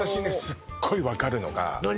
すっごい分かるのが何？